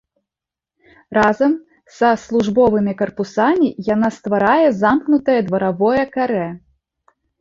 Разам са службовымі карпусамі яна стварае замкнутае дваровае карэ.